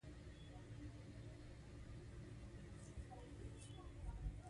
چا چي په صبر او سکون سره ژوند تېر کړ؛ هغه سرلوړی سو.